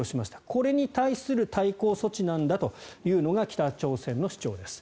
これに対する対抗措置なんだというのが北朝鮮の主張です。